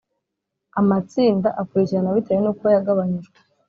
amatsinda akurikirana bitewe n uko yagabanyijwe